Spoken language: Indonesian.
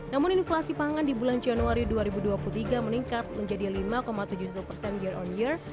namun inflasi pangan di bulan januari dua ribu dua puluh tiga meningkat menjadi lima tujuh puluh satu persen year on year